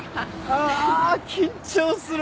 あ緊張する。